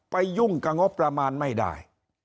ยุ่งกับงบประมาณไม่ได้